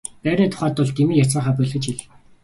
Байрны тухайд бол дэмий ярьцгаахаа боль гэж хэл.